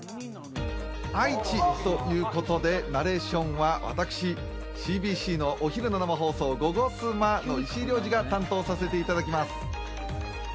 愛知ということで、ナレーションは私、ＣＢＣのお昼の生放送「ゴゴスマ」の石井が担当します。